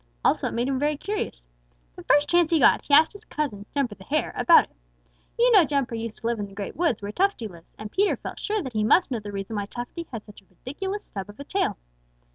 Also it made him very curious. The first chance he got, he asked his cousin, Jumper the Hare, about it. You know Jumper used to live in the Great Woods where Tufty lives, and Peter felt sure that he must know the reason why Tufty has such a ridiculous stub of a tail.